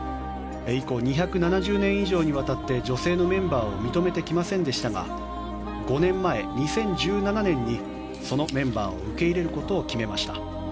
以降、２７０年以上にわたって女性のメンバーを認めてきませんでしたが５年前、２０１７年にそのメンバーを受け入れることを決めました。